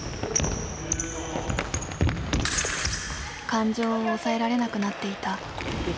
感情を抑えられなくなっていた。